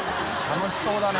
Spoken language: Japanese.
楽しそうだね